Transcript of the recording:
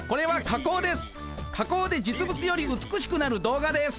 加工で実物より美しくなる動画です。